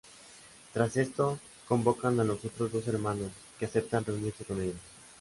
Tras esto, convocan a los otros dos hermanos, que aceptan reunirse con ellos.